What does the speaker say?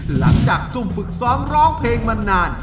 ซุ่มฝึกซ้อมร้องเพลงมานาน